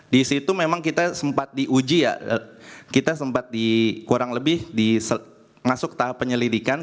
di situ memang kita sempat diuji ya kita sempat di kurang lebih masuk tahap penyelidikan